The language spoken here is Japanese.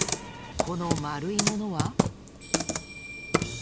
このまるいものは？